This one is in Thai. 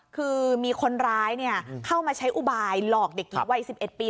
คือมีคนร้ายเข้ามาใช้อุบายหลอกเด็กหญิงวัย๑๑ปี